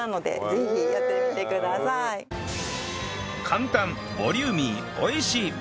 簡単ボリューミー美味しい！